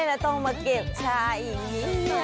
แล้วต้องมาเก็บชาอีกนิก